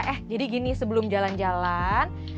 eh jadi gini sebelum jalan jalan